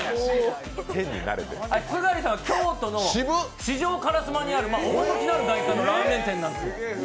すがりさんは京都の四条烏丸にある趣のある外観のラーメン店なんです。